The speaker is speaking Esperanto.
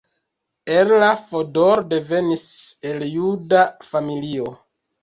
Ella Fodor devenis el juda familio.